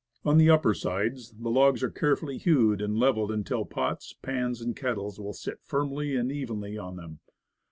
On the upper sides the logs are carefully hewed and leveled until pots, pans and kettles will sit firmly and evenly on them.